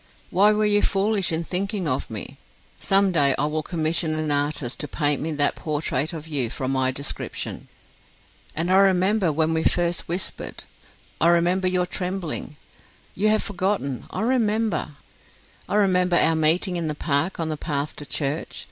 Why were you foolish in thinking of me? Some day I will commission an artist to paint me that portrait of you from my description. And I remember when we first whispered ... I remember your trembling. You have forgotten I remember. I remember our meeting in the park on the path to church.